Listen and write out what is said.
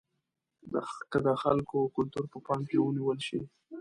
که د خلکو کلتور په پام کې ونیول شي.